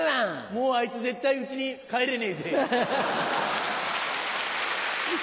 もうあいつ絶対家に帰れねえぜ。